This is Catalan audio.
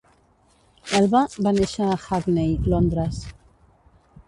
Elba va néixer a Hackney, Londres.